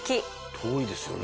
遠いですよね。